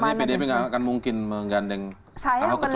jadi artinya pdip tidak akan mungkin menggandeng ahok kecuali ahok melamar pdip